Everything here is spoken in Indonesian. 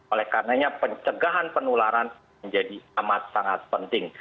oleh karenanya pencegahan penularan menjadi amat sangat penting